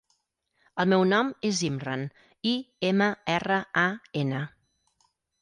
El meu nom és Imran: i, ema, erra, a, ena.